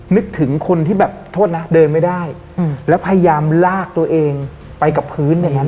นึกถึงคนที่แบบโทษนะเดินไม่ได้แล้วพยายามลากตัวเองไปกับพื้นอย่างนั้น